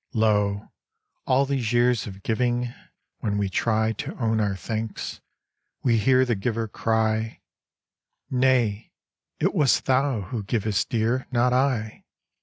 Lo, all these years of giving, when we try To own our thanks, we hear the giver cry; "Nay, it was thou who givest, Dear, not I."